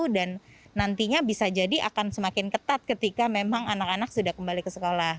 dan nantinya bisa jadi akan semakin ketat ketika memang anak anak sudah kembali ke sekolah